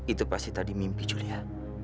itu pasti tadi mimpi curian